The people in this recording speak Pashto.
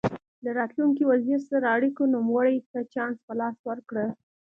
له راتلونکي وزیر سره اړیکو نوموړي ته چانس په لاس ورکړ.